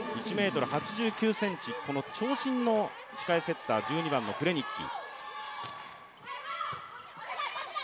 １ｍ８９ｃｍ、長身の控えセッター、１２番のクレニッキ。